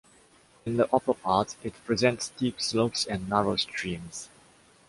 In the upper part, it presents steep slopes and narrow streams.